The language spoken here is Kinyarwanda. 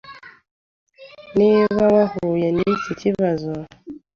Niba wahuye n’iki kibazo